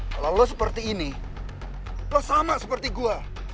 kalau lo seperti ini lo sama seperti gue